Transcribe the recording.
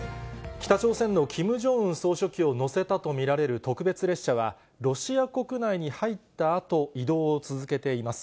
北朝鮮のキム・ジョンウン総書記を乗せたと見られる特別列車は、ロシア国内に入ったあと、移動を続けています。